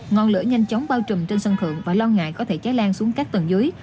ngọn lửa nhanh chóng bao trùm trên sân thượng và lo ngại có thể cháy lan xuống các tầng dưới